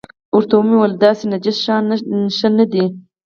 ورته ویې ویل داسې نجس شیان ښه نه دي.